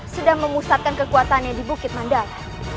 sedang memusatkan kekuatannya di bukit mandala